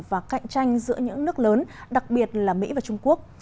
và cạnh tranh giữa những nước lớn đặc biệt là mỹ và trung quốc